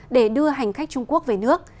để đưa hành khách trung quốc về nước